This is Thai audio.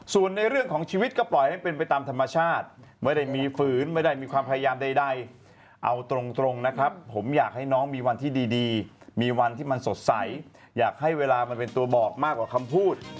ส่วนในเรื่องของชีวิตก็ปล่อยให้เป็นไปตามธรรมชาติไม่ได้มีฝืนไม่ได้มีความพยายามใดเอาตรงนะครับผมอยากให้น้องมีวันที่ดีมีวันที่มันสดใสอยากให้เวลามันเป็นตัวบอกมากกว่าคำพูด